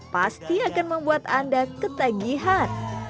pasti akan membuat anda ketagihan